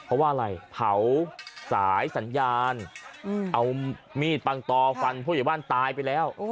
เพราะว่าอะไรเผาสายสัญญาณเอามีดปังตอฟันผู้ใหญ่บ้านตายไปแล้ว